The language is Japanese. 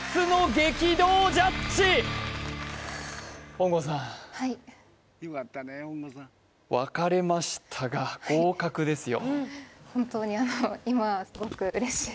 本郷さんはい分かれましたが合格ですよ